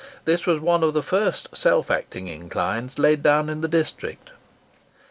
This was one of the first self acting inclines laid down in the district.